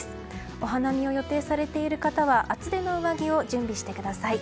お花見を予定されている方は厚手の上着を準備してください。